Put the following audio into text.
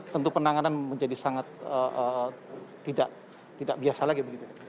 tentu penanganan menjadi sangat tidak biasa lagi begitu